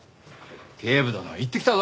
警部殿行ってきたぞ。